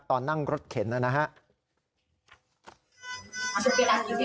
ตอนนั่งรถเข็นนะครับ